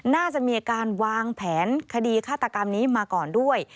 น่าจะมีการวางแผนคดีฆาตกรรมนี้มาก่อนด้วย